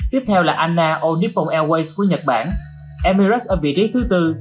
tiếp theo là ana all nippon airways của nhật bản emirates ở vị trí thứ bốn